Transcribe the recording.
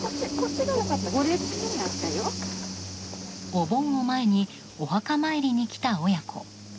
お盆を前にお墓参りに来た親子。